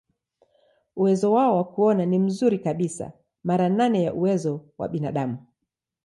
Uwezo wao wa kuona ni mzuri kabisa, mara nane ya uwezo wa binadamu.